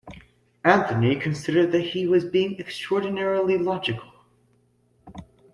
Anthony considered that he was being extraordinarily logical.